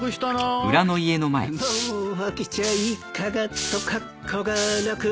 「もうおきちゃいかがとかっこうがなく」